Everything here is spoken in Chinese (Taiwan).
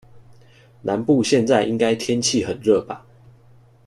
南部現在應該天氣很熱吧？